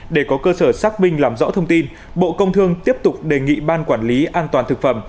để có cơ sở xác minh làm rõ thông tin bộ công thương tiếp tục đề nghị ban quản lý an toàn thực phẩm